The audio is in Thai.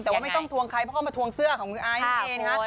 แต่ว่าไม่ต้องทวงใครเพราะเขามาทวงเสื้อของคุณไอซ์นั่นเองฮะ